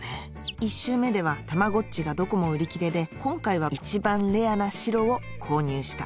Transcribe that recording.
１周目ではたまごっちがどこも売り切れで今回は一番レアな白を購入した